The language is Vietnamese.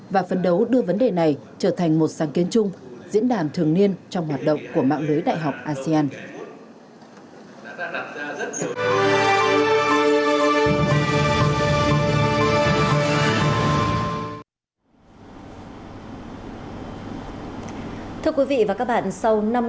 và phấn đấu đưa vấn đề này trở thành một sáng kiến chung diễn đàn thường niên trong hoạt động của mạng lưới đại học asean